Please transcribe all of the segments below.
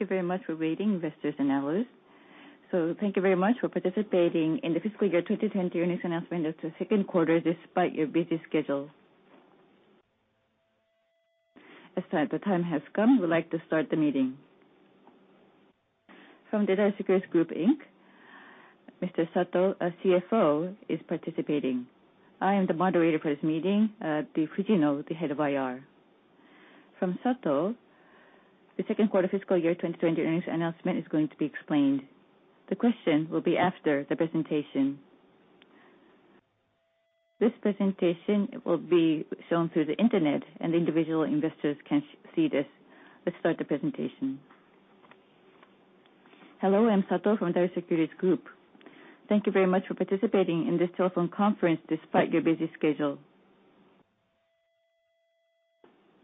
Thank you very much for waiting, investors and analysts. Thank you very much for participating in the FY 2020 earnings announcement of the Q2 despite your busy schedule. As the time has come, we'd like to start the meeting. From Daiwa Securities Group, Inc, Mr. Sato, our CFO, is participating. I am the moderator for this meeting, Fujino, the Head of Investor Relations. From Sato, the Q2 FY 2020 earnings announcement is going to be explained. The question will be after the presentation. This presentation will be shown through the internet, and individual investors can see this. Let's start the presentation. Hello, I'm Sato from Daiwa Securities Group. Thank you very much for participating in this telephone conference despite your busy schedule.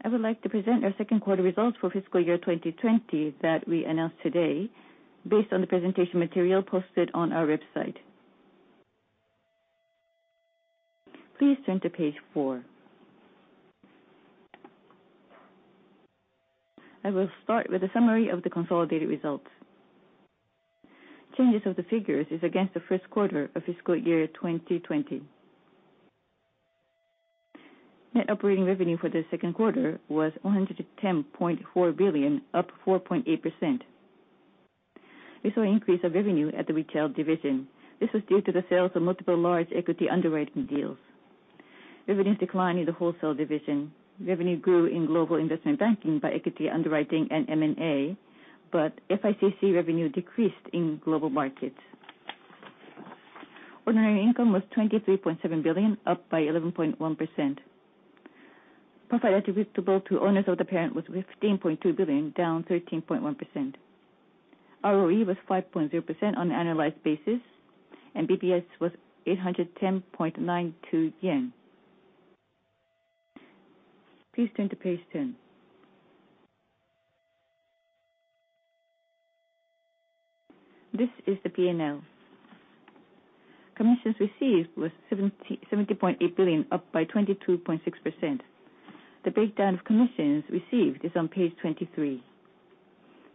I would like to present our Q2 results for FY 2020 that we announce today, based on the presentation material posted on our website. Please turn to page four. I will start with a summary of the consolidated results. Changes of the figures is against the Q1 of FY 2020. Net operating revenue for the Q2 was 110.4 billion, up 4.8%. We saw an increase of revenue at the retail division. This was due to the sales of multiple large equity underwriting deals. Revenues declined in the wholesale division. Revenue grew in global investment banking by equity underwriting and M&A, but FICC revenue decreased in global markets. Ordinary income was 23.7 billion, up by 11.1%. Profit attributable to owners of the parent was 15.2 billion, down 13.1%. ROE was 5.0% on an annualized basis, and BPS was JPY 810.92. Please turn to page 10. This is the P&L. Commissions received was 70.8 billion, up by 22.6%. The breakdown of commissions received is on page 23.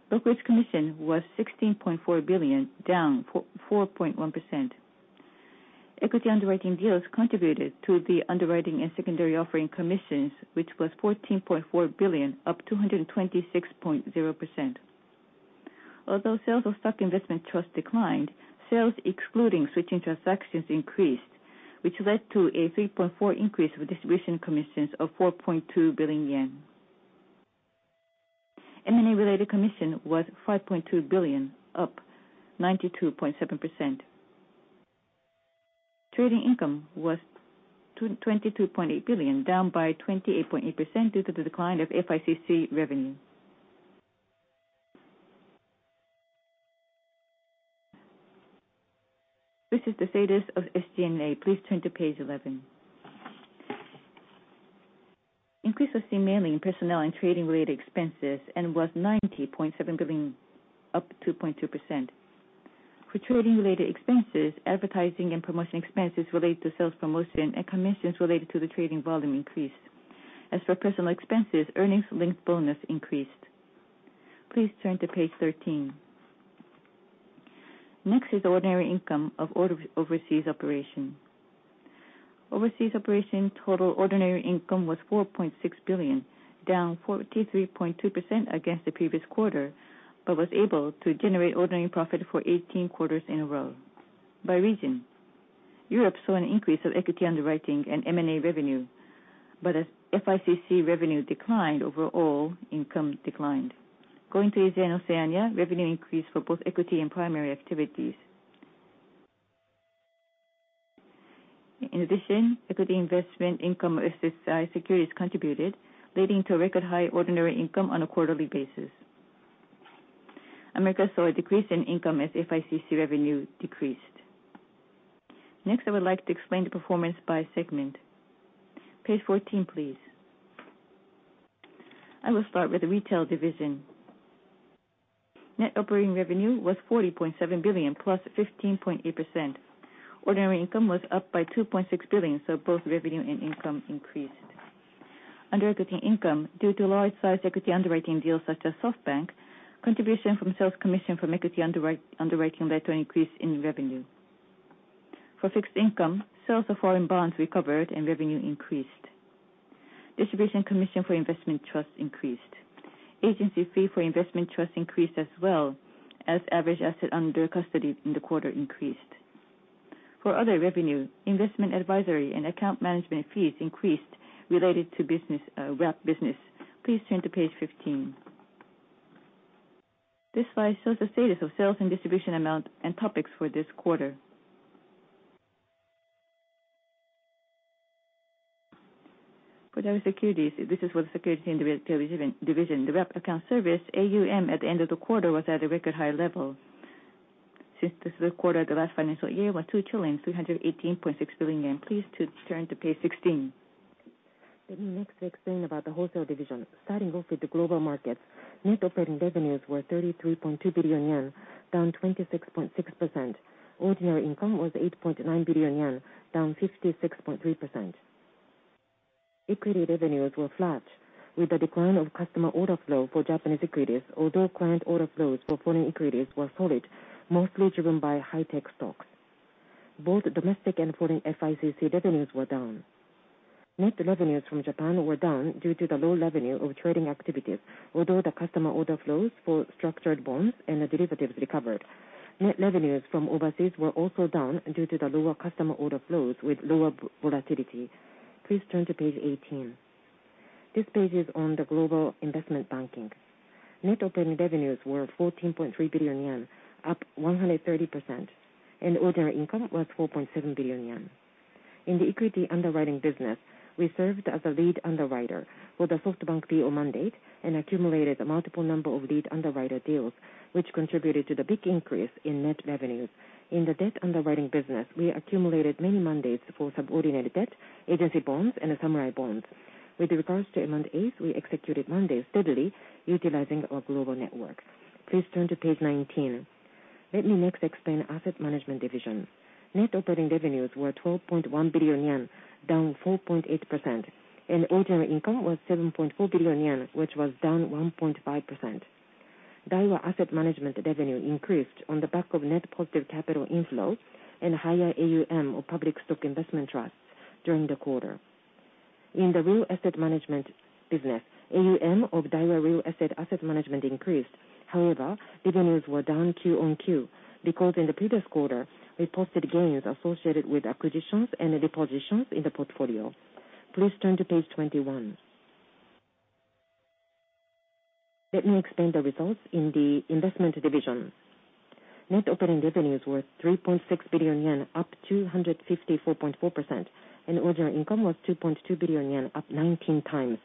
Brokerage commission was 16.4 billion, down 4.1%. Equity underwriting deals contributed to the underwriting and secondary offering commissions, which was 14.4 billion, up 226.0%. Although sales of stock investment trusts declined, sales excluding switching transactions increased, which led to a 3.4% increase of distribution commissions of 4.2 billion yen. M&A related commission was 5.2 billion, up 92.7%. Trading income was 22.8 billion, down by 28.8% due to the decline of FICC revenue. This is the status of SG&A. Please turn to page 11. Increase of seamening, personnel, and trading-related expenses and was 90.7 billion, up 2.2%. For trading-related expenses, advertising and promotion expenses related to sales promotion and commissions related to the trading volume increased. As for personal expenses, earnings-linked bonus increased. Please turn to page 13. Next is ordinary income of overseas operation. Overseas operation total ordinary income was 4.6 billion, down 43.2% against the previous quarter, but was able to generate ordinary profit for 18 quarters in a row. By region, Europe saw an increase of equity underwriting and M&A revenue, but as FICC revenue declined, overall income declined. Going to Asia and Oceania, revenue increased for both equity and primary activities. In addition, equity investment income of SSI Securities contributed, leading to a record high ordinary income on a quarterly basis. America saw a decrease in income as FICC revenue decreased. Next, I would like to explain the performance by segment. Page 14, please. I will start with the retail division. Net operating revenue was 40.7 billion, plus 15.8%. Ordinary income was up by 2.6 billion, so both revenue and income increased. Under equity income, due to large size equity underwriting deals such as SoftBank, contribution from sales commission from equity underwriting led to an increase in revenue. For fixed income, sales of foreign bonds recovered, and revenue increased. Distribution commission for investment trusts increased. Agency fee for investment trusts increased as well, as average asset under custody in the quarter increased. For other revenue, investment advisory and account management fees increased related to wrap business. Please turn to page 15. This slide shows the status of sales and distribution amount and topics for this quarter. For those securities, this is for the securities division. The wrap account service AUM at the end of the quarter was at a record high level. Since this is the quarter, the last financial year was 2 trillion, 318.6 billion. Please turn to page 16. Let me next explain about the Wholesale Division, starting off with the Global Markets. Net operating revenues were 33.2 billion yen, down 26.6%. Ordinary income was 8.9 billion yen, down 56.3%. Equity revenues were flat with the decline of customer order flow for Japanese equities, although client order flows for foreign equities were solid, mostly driven by high-tech stocks. Both domestic and foreign FICC revenues were down. Net revenues from Japan were down due to the low revenue of trading activities, although the customer order flows for structured bonds and the derivatives recovered. Net revenues from overseas were also down due to the lower customer order flows with lower volatility. Please turn to page 18. This page is on the global investment banking. Net operating revenues were 14.3 billion yen, up 130%, and ordinary income was 4.7 billion yen. In the equity underwriting business, we served as a lead underwriter for the SoftBank deal mandate and accumulated a multiple number of lead underwriter deals, which contributed to the big increase in net revenues. In the debt underwriting business, we accumulated many mandates for subordinated debt, agency bonds, and samurai bonds. With regards to mandates, we executed mandates steadily utilizing our global network. Please turn to page 19. Let me next explain asset management division. Net operating revenues were 12.1 billion yen, down 4.8%, and ordinary income was 7.4 billion yen, which was down 1.5%. Daiwa Asset Management revenue increased on the back of net positive capital inflows and higher AUM of public stock investment trusts during the quarter. In the real asset management business, AUM of Daiwa Real Estate Asset Management increased. However, revenues were down Q-on-Q because in the previous quarter, we posted gains associated with acquisitions and depositions in the portfolio. Please turn to page 21. Let me explain the results in the investment division. Net operating revenues were 3.6 billion yen, up 254.4%, and ordinary income was 2.2 billion yen, up 19 times.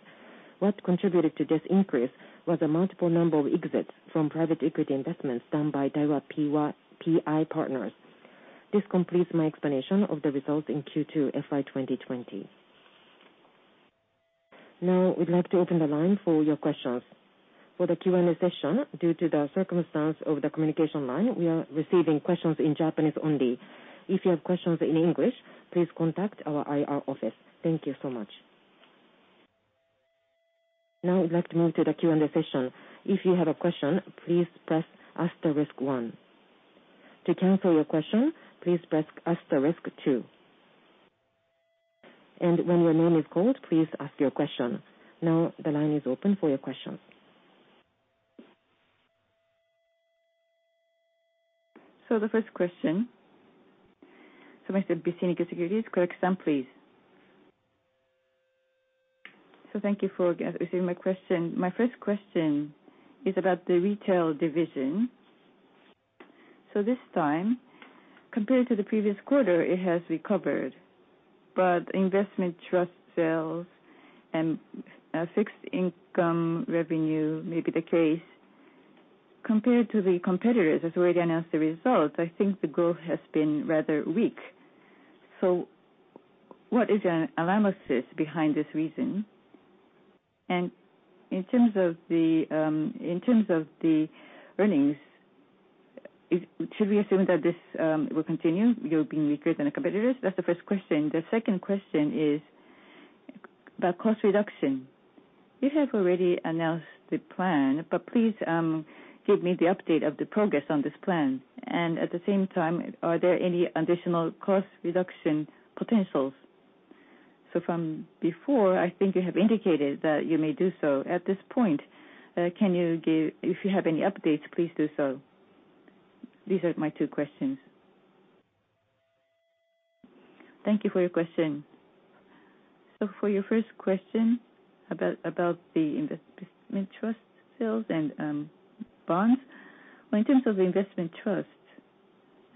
What contributed to this increase was a multiple number of exits from private equity investments done by Daiwa PI Partners. This completes my explanation of the results in Q2 FY 2020. We'd like to open the line for your questions. For the Q&A session, due to the circumstance of the communication line, we are receiving questions in Japanese only. If you have questions in English, please contact our IR office. Thank you so much. We'd like to move to the Q&A session. If you have a question, please press asterisk one. To cancel your question, please press asterisk two. When your name is called, please ask your question. The line is open for your questions. The first question, Bicini Securities, go ahead Sam, please. Thank you for receiving my question. My first question is about the retail division. This time, compared to the previous quarter, it has recovered, but investment trust sales and fixed income revenue may be the case. Compared to the competitors who's already announced the results, I think the growth has been rather weak. What is your analysis behind this reason? In terms of the earnings, should we assume that this will continue, you being weaker than the competitors? That's the first question. The second question is about cost reduction. You have already announced the plan, but please give me the update of the progress on this plan. At the same time, are there any additional cost reduction potentials? From before, I think you have indicated that you may do so. At this point, if you have any updates, please do so. These are my two questions. Thank you for your question. For your first question about the investment trust sales and bonds. Well, in terms of investment trusts,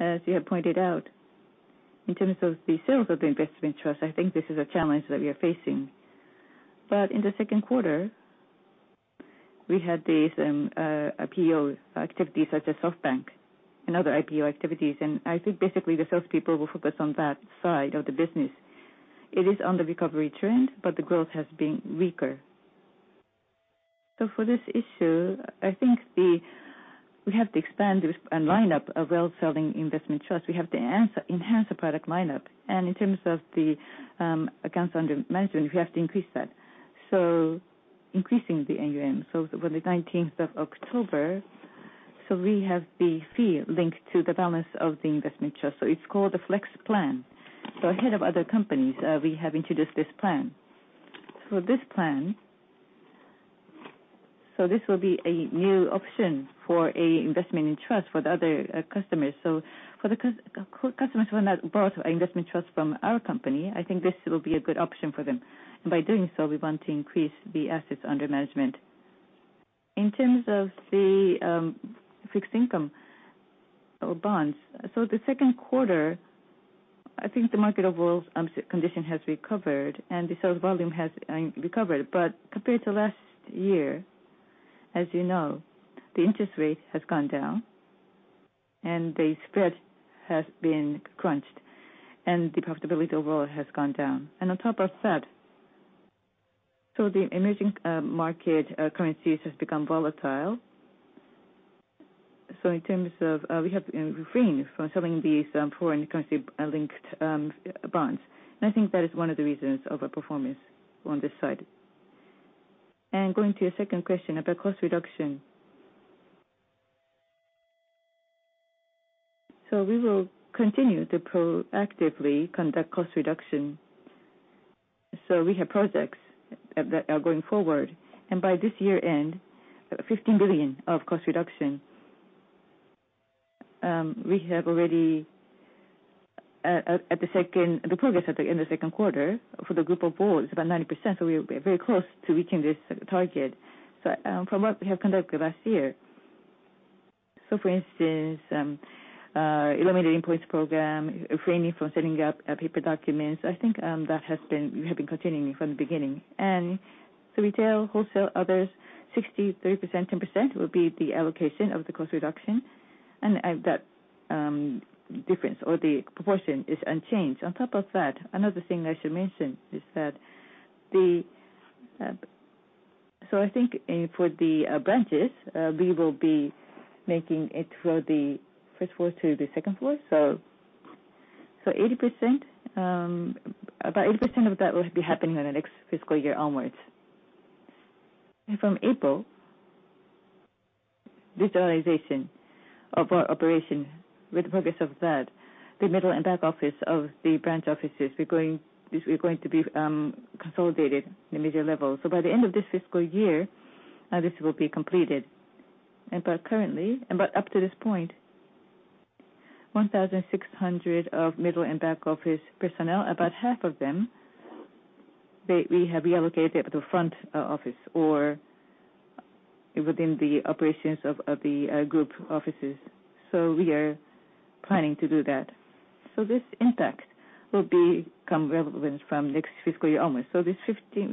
as you have pointed out, in terms of the sales of the investment trusts, I think this is a challenge that we are facing. In the Q2, we had these IPO activities such as SoftBank and other IPO activities, and I think basically the salespeople will focus on that side of the business. It is on the recovery trend, but the growth has been weaker. For this issue, I think we have to expand and line up a well-selling investment trust. We have to enhance the product lineup, and in terms of the assets under management, we have to increase that. Increasing the AUM. On the 19th of October, we have the fee linked to the balance of the investment trust. It's called the Flex Plan. Ahead of other companies, we have introduced this plan. This plan, so this will be a new option for a investment in trust for the other customers. For the customers who have not bought investment trusts from our company, I think this will be a good option for them. By doing so, we want to increase the assets under management. In terms of the fixed income or bonds. The Q2, I think the market overall condition has recovered, and the sales volume has recovered. Compared to last year, as you know, the interest rate has gone down, and the spread has been crunched, and the profitability overall has gone down. On top of that, so the emerging market currencies has become volatile. In terms of, we have refrained from selling these foreign currency-linked bonds, and I think that is one of the reasons of our performance on this side. Going to your second question about cost reduction. We will continue to proactively conduct cost reduction. We have projects that are going forward. By this year end, 15 billion of cost reduction. We have already, the progress at the end of the Q2 for the group as a whole is about 90%, so we are very close to reaching this target. From what we have conducted last year. For instance, eliminated invoice program, refraining from sending out paper documents. I think we have been continuing from the beginning. Retail, wholesale, others, 63%, 10% will be the allocation of the cost reduction. That difference or the proportion is unchanged. On top of that, another thing I should mention is that I think for the branches, we will be making it from the first floor to the second floor. About 80% of that will be happening on the next FY onwards. From April, with the progress of digitalization of our operation, the middle and back office of the branch offices, we're going to be consolidated in a major level. By the end of this FY, this will be completed. Up to this point, 1,600 of middle and back office personnel, about half of them, we have reallocated to front office or within the operations of the group offices. We are planning to do that. This impact will become relevant from next FY onwards. We're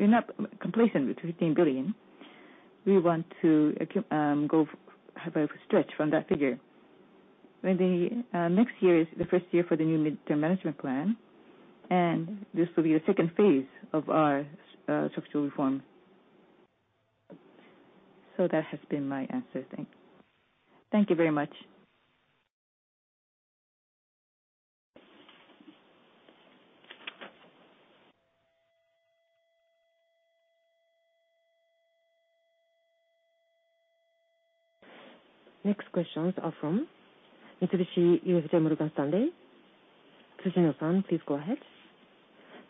not complacent with 15 billion. We want to have a stretch from that figure. The next year is the first year for the new mid-term management plan, and this will be the second phase of our structural reform. That has been my answer. Thank you. Thank you very much. Next questions are from Mitsubishi UFJ Morgan Stanley. Tsujino-san, please go ahead.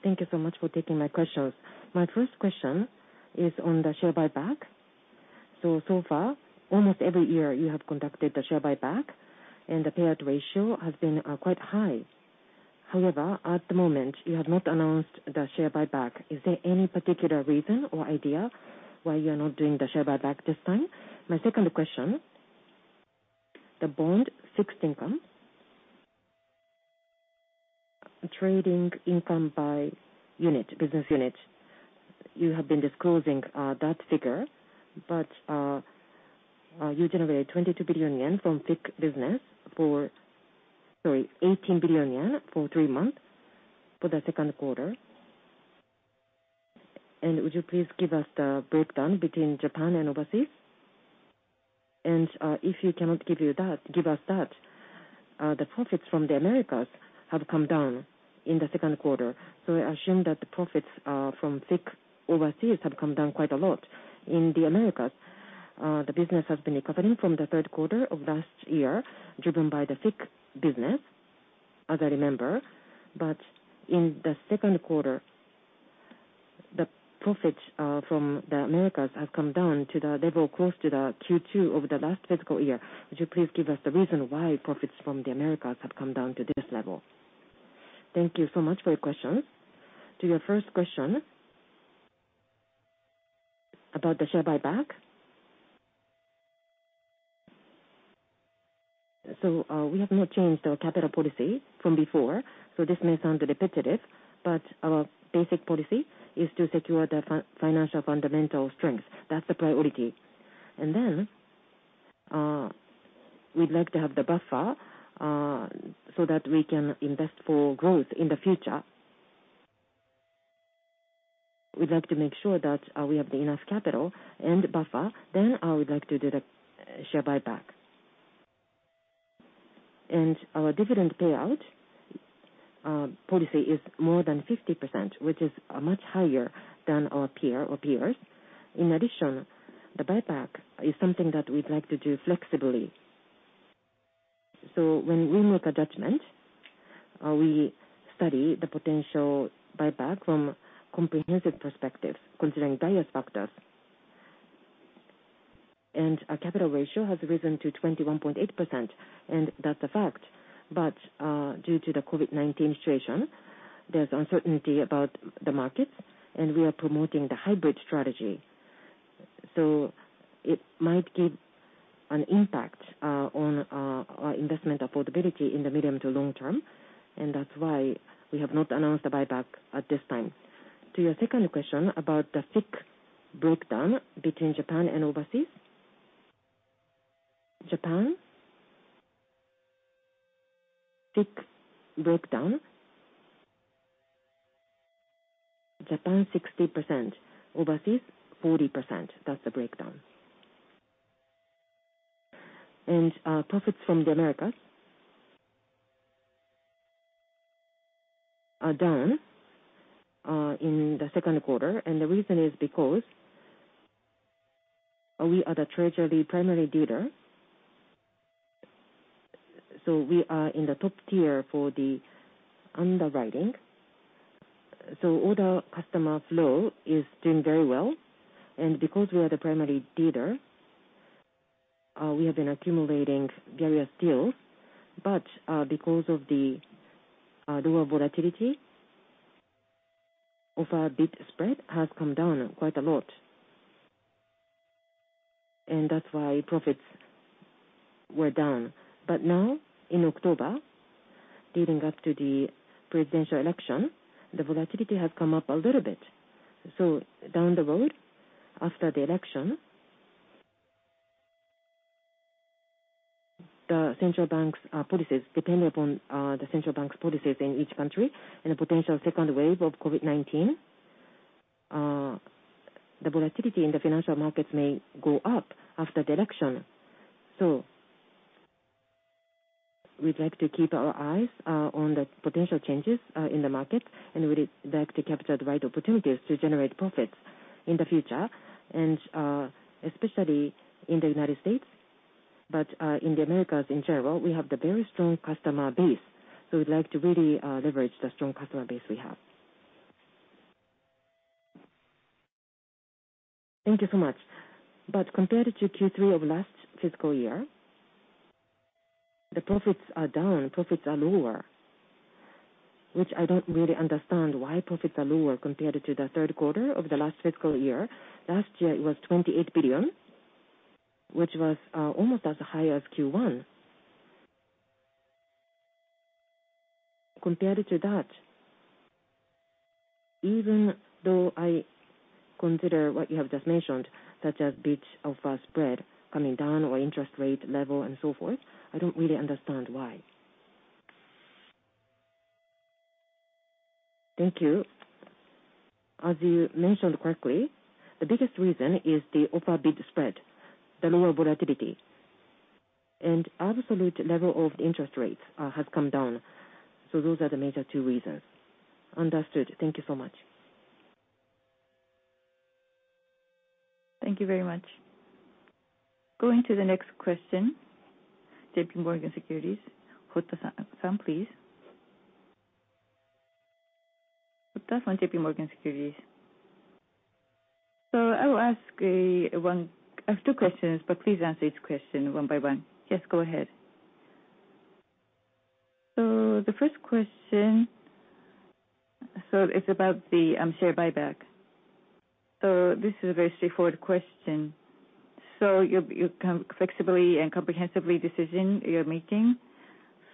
Thank you so much for taking my questions. My first question is on the share buyback. So far, almost every year you have conducted the share buyback, and the payout ratio has been quite high. However, at the moment, you have not announced the share buyback. Is there any particular reason or idea why you're not doing the share buyback this time? My second question, the bond fixed income. Trading income by business unit. You have been disclosing that figure, but you generate 22 billion yen from FICC business for, sorry, 18 billion yen for three months for the Q2. Would you please give us the breakdown between Japan and overseas? If you cannot give us that, the profits from the Americas have come down in the Q2. I assume that the profits from FIC overseas have come down quite a lot in the Americas. The business has been recovering from the Q3 of last year, driven by the FIC business, as I remember. In the Q2, the profits from the Americas have come down to the level close to the Q2 of the last FY. Would you please give us the reason why profits from the Americas have come down to this level? Thank you so much for your questions. To your first question, about the share buyback. We have not changed our capital policy from before, so this may sound repetitive, but our basic policy is to secure the financial fundamental strength. That's the priority. We'd like to have the buffer, so that we can invest for growth in the future. We'd like to make sure that we have enough capital and buffer, I would like to do the share buyback. Our dividend payout policy is more than 50%, which is much higher than our peers. In addition, the buyback is something that we'd like to do flexibly. When we make a judgment, we study the potential buyback from comprehensive perspectives considering various factors. Our capital ratio has risen to 21.8%, that's a fact. Due to the COVID-19 situation, there's uncertainty about the markets, we are promoting the Hybrid Strategy. It might give an impact on our investment affordability in the medium to long term, that's why we have not announced a buyback at this time. To your second question about the FIC breakdown between Japan and overseas. Japan? FIC breakdown. Japan 60%, overseas 40%. That's the breakdown. Profits from the Americas are down in the Q2, and the reason is because we are the treasury primary dealer, so we are in the top tier for the underwriting. Order customer flow is doing very well, and because we are the primary dealer, we have been accumulating various deals. Because of the lower volatility, offer bid spread has come down quite a lot. That's why profits were down. Now, in October, leading up to the presidential election, the volatility has come up a little bit. Down the road, after the election, the central bank's policies, depending upon the central bank's policies in each country and the potential second wave of COVID-19, the volatility in the financial markets may go up after the election. We'd like to keep our eyes on the potential changes in the market, and we'd like to capture the right opportunities to generate profits in the future and especially in the U.S. In the Americas in general, we have a very strong customer base. We'd like to really leverage the strong customer base we have. Thank you so much. Compared to Q3 of last FY, the profits are down, profits are lower, which I don't really understand why profits are lower compared to the Q3 of the last FY. Last year it was 28 billion, which was almost as high as Q1. Compared to that, even though I consider what you have just mentioned, such as bid-offer spread coming down or interest rate level and so forth, I don't really understand why. Thank you. As you mentioned correctly, the biggest reason is the offer bid spread, the lower volatility, and absolute level of interest rates has come down. Those are the major two reasons. Understood. Thank you so much. Thank you very much. Going to the next question, JPMorgan Securities, Hotta-san, please. Hotta from JPMorgan Securities. I have two questions, but please answer each question one by one. Yes, go ahead. The first question is about the share buyback. This is a very straightforward question. You can flexibly and comprehensively decision you're making.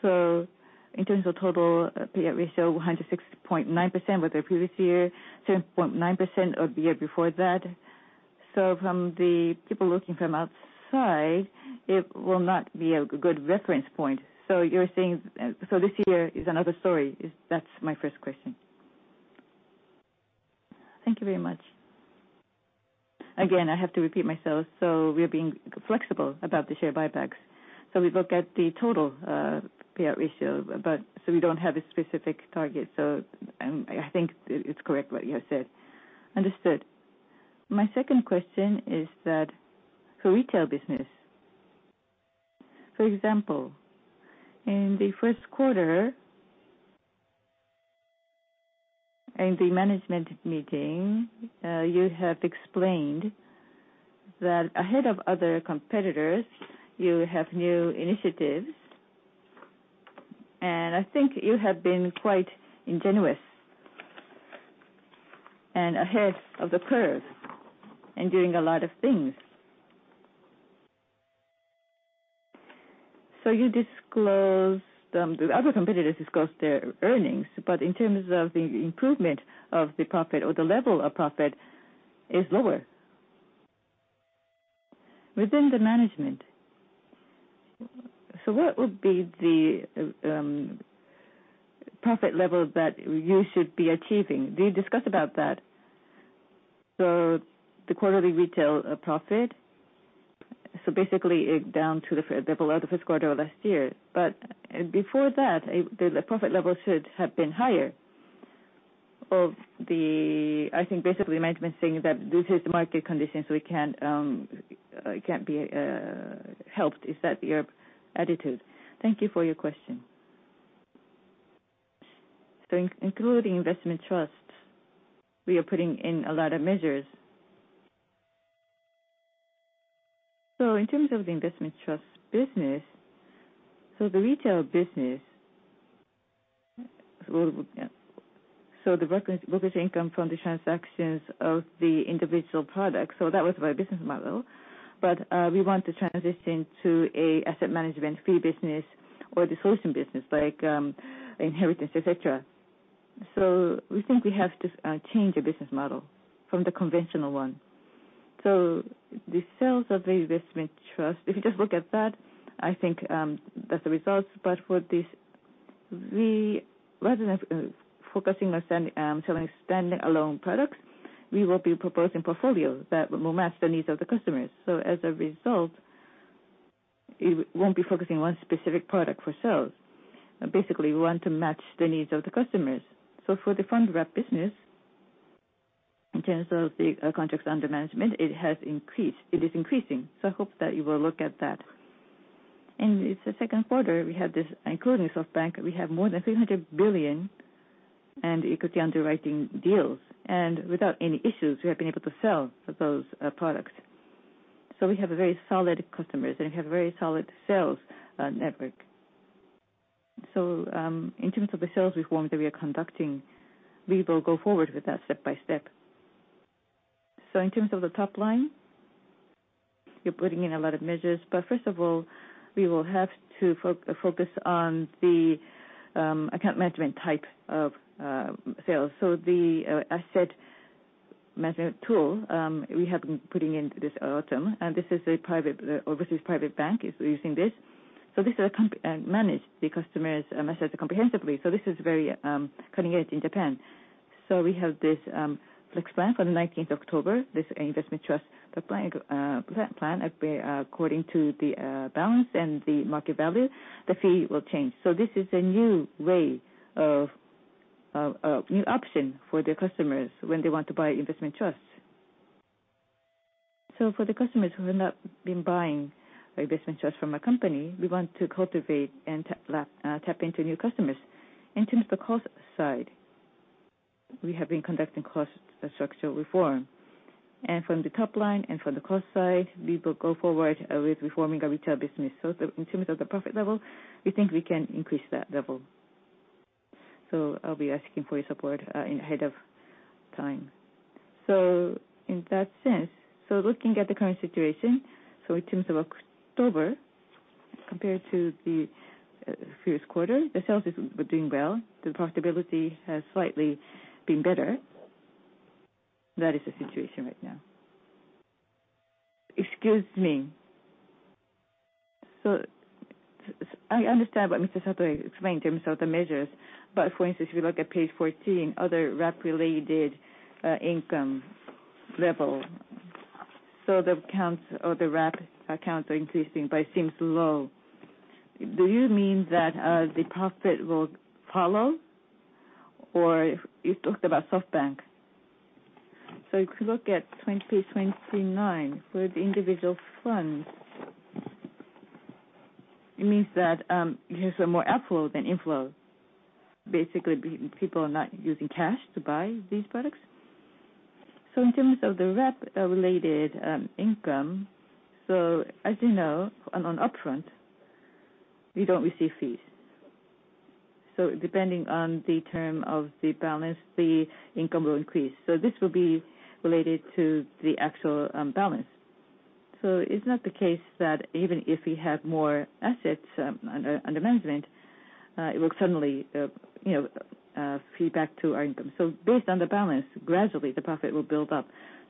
In terms of total payout ratio, 106.9% with the previous year, 10.9% of the year before that. From the people looking from outside, it will not be a good reference point. This year is another story. That's my first question. Thank you very much. Again, I have to repeat myself. We are being flexible about the share buybacks. We look at the total payout ratio, we don't have a specific target. I think it's correct what you have said. Understood. My second question is that for retail business, for example, in the Q1, in the management meeting, you have explained that ahead of other competitors, you have new initiatives, and I think you have been quite ingenious and ahead of the curve in doing a lot of things. The other competitors disclose their earnings, but in terms of the improvement of the profit or the level of profit is lower. Within the management, what would be the profit level that you should be achieving? Do you discuss about that? The quarterly retail profit, basically down to the level of the Q1 of last year. Before that, the profit level should have been higher of the, I think, basically management saying that this is the market condition, it can't be helped. Is that your attitude? Thank you for your question. Including investment trust, we are putting in a lot of measures. In terms of the investment trust business, the retail business, the brokerage income from the transactions of the individual products, that was our business model. We want to transition to an asset management fee business or dissolution business like inheritance, et cetera. We think we have to change the business model from the conventional one. The sales of the investment trust, if you just look at that, I think that's the results. For this, rather than focusing on selling standalone products, we will be proposing portfolios that will match the needs of the customers. As a result, we won't be focusing on one specific product for sales. Basically, we want to match the needs of the customers. For the fund wrap business, in terms of the contracts under management, it is increasing. I hope that you will look at that. In the Q2, including SoftBank, we have more than 300 billion in equity underwriting deals. Without any issues, we have been able to sell those products. We have very solid customers, and we have a very solid sales network. In terms of the sales reform that we are conducting, we will go forward with that step by step. In terms of the top line, you're putting in a lot of measures. First of all, we will have to focus on the account management type of sales. The asset management tool, we have been putting in this autumn, and the overseas private bank is using this. This will manage the customer's message comprehensively. This is very cutting edge in Japan. We have this Flex Plan on the 19th October. This investment trust plan, according to the balance and the market value, the fee will change. This is a new option for the customers when they want to buy investment trusts. For the customers who have not been buying investment trusts from our company, we want to cultivate and tap into new customers. In terms of the cost side, we have been conducting cost structure reform. From the top line and from the cost side, we will go forward with reforming our retail business. In terms of the profit level, we think we can increase that level. I'll be asking for your support ahead of time. In that sense, looking at the current situation, in terms of October, compared to the previous quarter, the sales were doing well. The profitability has slightly been better. That is the situation right now. Excuse me. I understand what Mr. Sato explained in terms of the measures, but for instance, if you look at page 14, other wrap-related income level. The accounts or the wrap accounts are increasing, but it seems low. Do you mean that the profit will follow? You talked about SoftBank. If you look at page 29, for the individual funds, it means that you have more outflow than inflow. Basically, people are not using cash to buy these products? In terms of the wrap-related income, as you know, on upfront, we don't receive fees. Depending on the term of the balance, the income will increase. This will be related to the actual balance. It's not the case that even if we have more assets under management, it will suddenly feed back to our income. Based on the balance, gradually the profit will build up.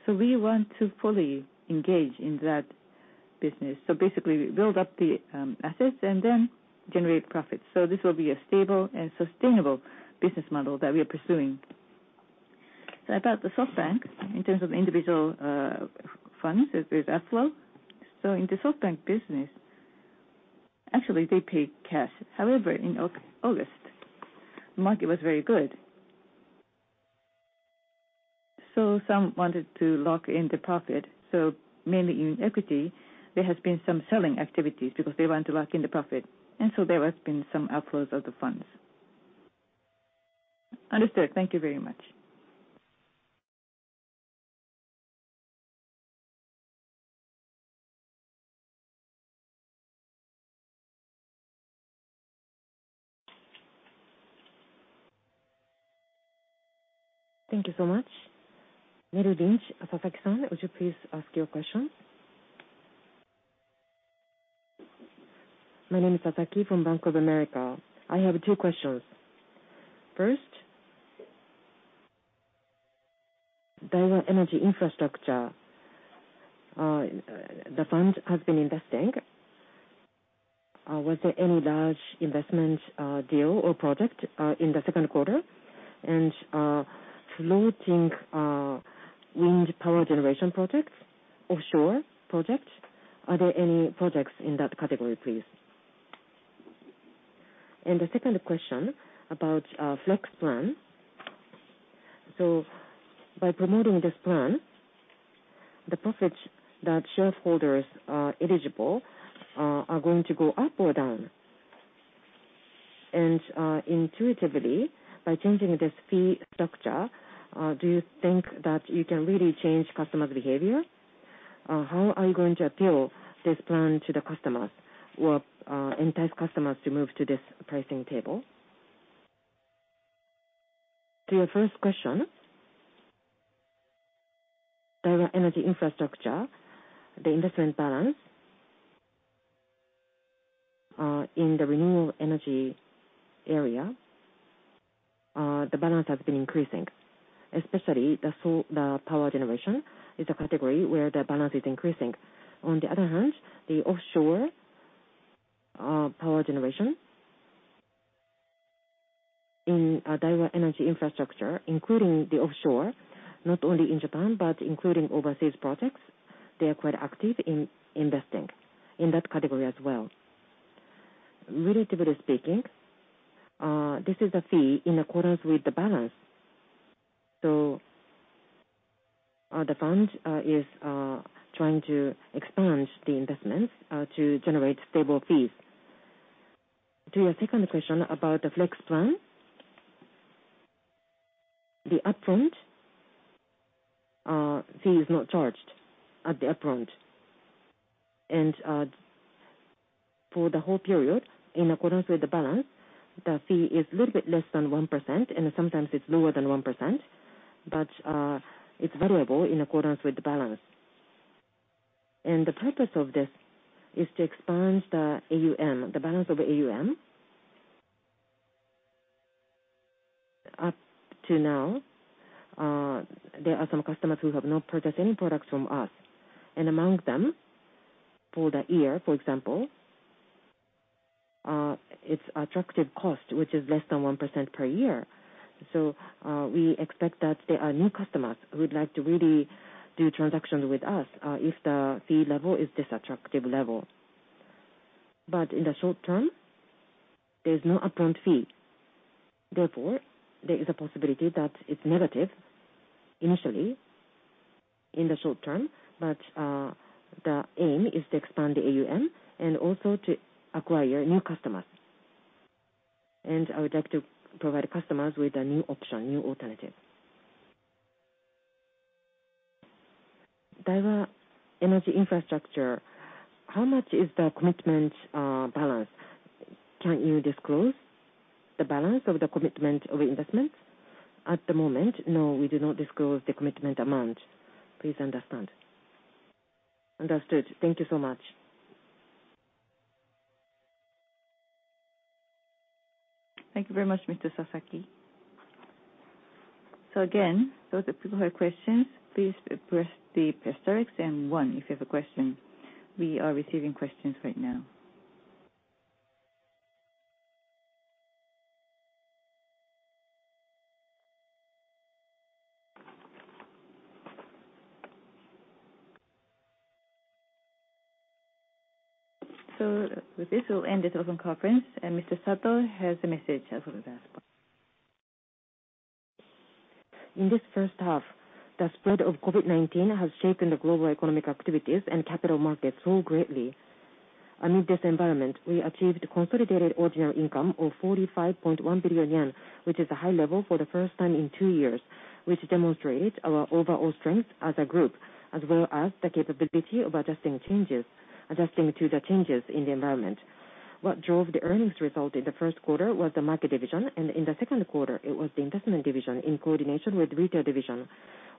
We want to fully engage in that business. Basically, we build up the assets and then generate profits. This will be a stable and sustainable business model that we are pursuing. About SoftBank, in terms of individual funds, there's outflow. In the SoftBank business, actually, they pay cash. However, in August, the market was very good. Some wanted to lock in the profit, so mainly in equity, there has been some selling activities because they want to lock in the profit, there has been some outflows of the funds. Understood. Thank you very much. Thank you so much. Merrill Lynch, Sasaki-san, would you please ask your question? My name is Sasaki from Bank of America. I have two questions. First, Daiwa Energy & Infrastructure. The fund has been investing. Was there any large investment deal or project in the Q2? Floating wind power generation projects, offshore projects, are there any projects in that category, please? The second question about Flex Plan. By promoting this plan, the profits that shareholders are eligible are going to go up or down? Intuitively, by changing this fee structure, do you think that you can really change customer behavior? How are you going to appeal this plan to the customers or entice customers to move to this pricing table? To your first question, Daiwa Energy & Infrastructure, the investment balance. In the renewable energy area, the balance has been increasing, especially the power generation is a category where the balance is increasing. On the other hand, the offshore power generation in Daiwa Energy & Infrastructure, including the offshore, not only in Japan but including overseas projects, they are quite active in investing in that category as well. Relatively speaking, this is a fee in accordance with the balance. The fund is trying to expand the investments to generate stable fees. To your second question about the Flex Plan, the upfront fee is not charged at the upfront. For the whole period, in accordance with the balance, the fee is a little bit less than 1%, and sometimes it's lower than 1%. It's variable in accordance with the balance. The purpose of this is to expand the AUM, the balance of AUM. Up to now, there are some customers who have not purchased any products from us. Among them, for the year, for example, its attractive cost, which is less than 1% per year. We expect that there are new customers who would like to really do transactions with us if the fee level is this attractive level. In the short term, there's no upfront fee. Therefore, there is a possibility that it's negative initially in the short term, but the aim is to expand the AUM and also to acquire new customers. I would like to provide customers with a new option, new alternative. Daiwa Energy & Infrastructure, how much is the commitment balance? Can you disclose the balance of the commitment of investment? At the moment, no, we do not disclose the commitment amount. Please understand. Understood. Thank you so much. Thank you very much, Mr. Sasaki. Again, those of you who have questions, please press the asterisk then one if you have a question. We are receiving questions right now. With this, we'll end this open conference, and Mr. Sato has a message for you guys. In this first half, the spread of COVID-19 has shaken the global economic activities and capital markets so greatly. Amid this environment, we achieved consolidated ordinary income of 45.1 billion yen, which is a high level for the first time in two years, which demonstrates our overall strength as a group, as well as the capability of adjusting to the changes in the environment. What drove the earnings result in the Q1 was the market division, and in the Q2 it was the investment division in coordination with retail division.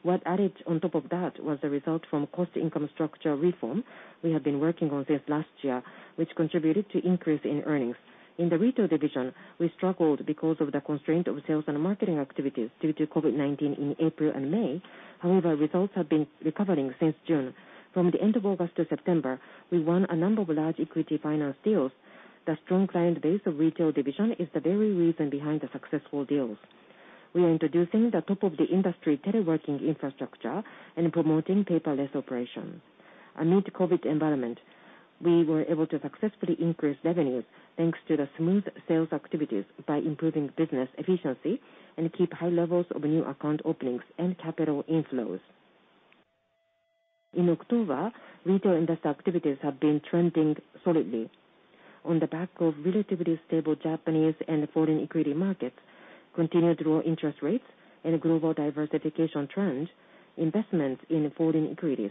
What added on top of that was the result from cost income structure reform we have been working on since last year, which contributed to increase in earnings. In the retail division, we struggled because of the constraint of sales and marketing activities due to COVID-19 in April and May. Results have been recovering since June. From the end of August to September, we won a number of large equity finance deals. The strong client base of retail division is the very reason behind the successful deals. We are introducing the top of the industry teleworking infrastructure and promoting paperless operations. Amid COVID-19 environment, we were able to successfully increase revenues thanks to the smooth sales activities by improving business efficiency and keep high levels of new account openings and capital inflows. In October, retail investor activities have been trending solidly. On the back of relatively stable Japanese and foreign equity markets, continued low interest rates and global diversification trends, investments in foreign equities,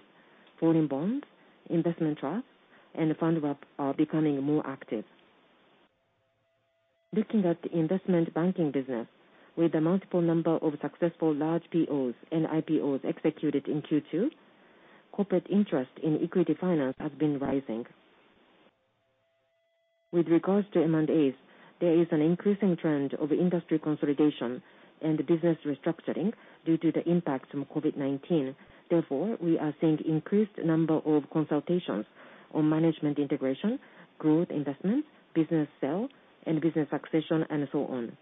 foreign bonds, investment trusts and fund wrap are becoming more active. Looking at the investment banking business, with the multiple number of successful large POs and IPOs executed in Q2, corporate interest in equity finance has been rising. With regards to M&As, there is an increasing trend of industry consolidation and business restructuring due to the impact from COVID-19. Therefore, we are seeing increased number of consultations on management integration, growth investments, business sale, and business accession and so on.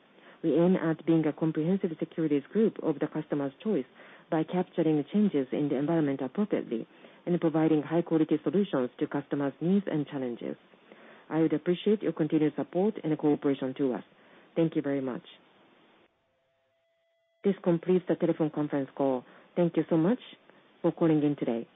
We aim at being a comprehensive securities group of the customer's choice by capturing the changes in the environment appropriately and providing high-quality solutions to customers' needs and challenges. I would appreciate your continued support and cooperation to us. Thank you very much. This completes the telephone conference call. Thank you so much for calling in today.